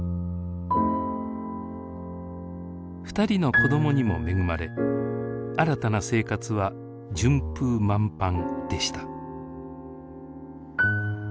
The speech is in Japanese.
２人の子どもにも恵まれ新たな生活は順風満帆でした。